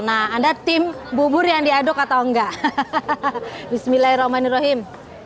nah anda tim bubur yang diaduk atau enggak hahaha bismillahirrahmanirrahim